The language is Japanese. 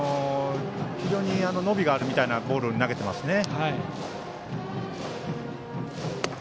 非常に伸びがあるみたいなボールを投げていますね。